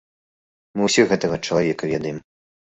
Мы ўсе гэтага чалавека ведаем.